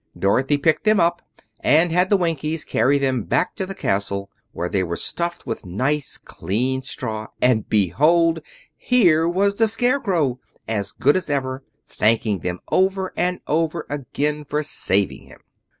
Dorothy picked them up and had the Winkies carry them back to the castle, where they were stuffed with nice, clean straw; and behold! here was the Scarecrow, as good as ever, thanking them over and over again for saving him.